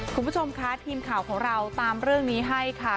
คุณผู้ชมคะทีมข่าวของเราตามเรื่องนี้ให้ค่ะ